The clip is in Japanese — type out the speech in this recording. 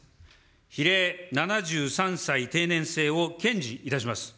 比例７３歳定年制を堅持いたします。